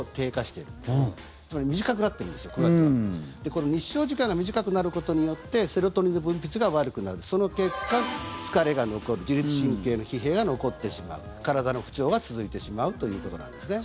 この日照時間が短くなることによってセロトニンの分泌が悪くなるその結果、疲れが残る自律神経の疲弊が残ってしまう体の不調が続いてしまうということなんですね。